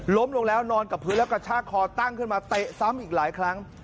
ลงแล้วนอนกับพื้นแล้วกระชากคอตั้งขึ้นมาเตะซ้ำอีกหลายครั้ง